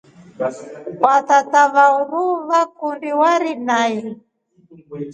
Watata wa uruu vakundi warii naqi.